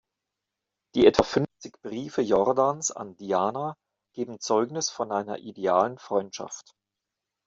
Die etwa fünfzig Briefe Jordans an Diana geben Zeugnis von einer idealen Freundschaft.